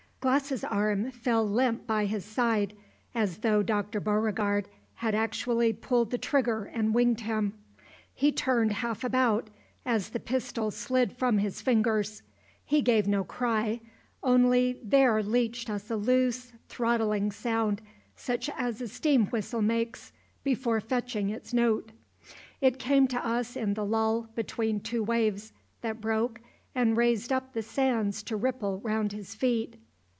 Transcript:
Glass's arm fell limp by his side, as though Dr. Beauregard had actually pulled the trigger and winged him. He turned half about as the pistol slid from his fingers. He gave no cry; only there leached us a loose, throttling sound such as a steam whistle makes before fetching its note. It came to us in the lull between two waves that broke and raised up the sands to ripple round his feet.